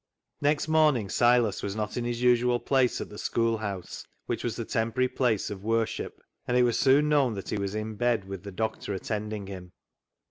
Next morning Silas was not in his usual place at the schoolhouse, which was the temporary place of worship, and it was soon known that he was in bed, with the doctor attending him.